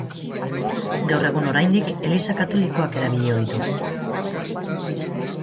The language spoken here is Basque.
Gaur egun oraindik Eliza Katolikoak erabili ohi du.